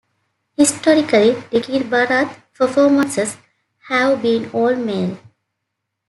Historically, dikir barat performances have been all-male.